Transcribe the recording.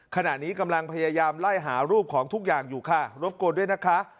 ขณะนี้กำลังพยายามไล่หารูปของทุกอย่างอยู่ค่ะรบกวนด้วยนะคะ